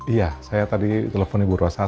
iya saya tadi telepon ibu rosan